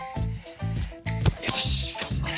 よし頑張れ。